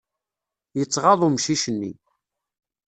Yettɣaḍ umcic-nni.